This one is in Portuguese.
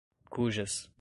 cujas